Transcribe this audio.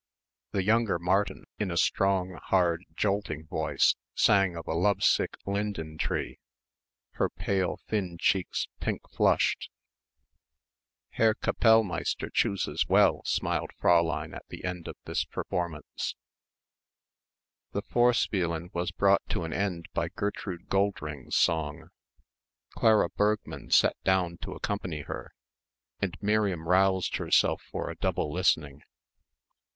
The younger Martin in a strong hard jolting voice sang of a love sick Linden tree, her pale thin cheeks pink flushed. "Herr Kapellmeister chooses well," smiled Fräulein at the end of this performance. The Vorspielen was brought to an end by Gertrude Goldring's song. Clara Bergmann sat down to accompany her, and Miriam roused herself for a double listening.